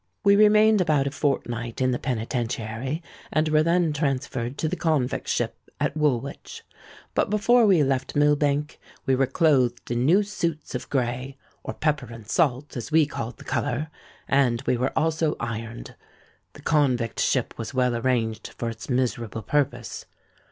We remained about a fortnight in the Penitentiary, and were then transferred to the convict ship at Woolwich. But before we left Millbank, we were clothed in new suits of grey, or pepper and salt, as we called the colour; and we were also ironed. The convict ship was well arranged for its miserable purpose.